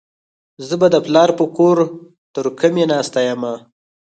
زه به د پلار په کور ترکمي ناسته يمه.